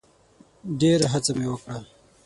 ډېره هڅه مي وکړه .